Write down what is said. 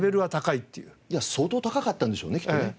じゃあ相当高かったんでしょうねきっとね。